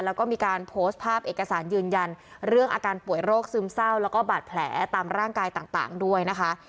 แล้วก็มีการโพสต์ภาพเอกสารยืนยันเรื่องอาการป่วยโรคซึมเศร้าแล้วก็บาดแผลตามร่างกายต่างด้วยนะคะ